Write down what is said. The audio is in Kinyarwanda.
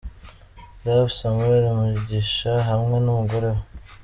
Rev Samuel Mugisha hamwe n'umugore we.